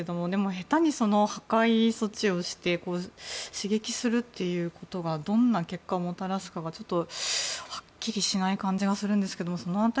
下手に破壊措置をして刺激するということがどんな結果をもたらすかがはっきりしない感じがするんですけど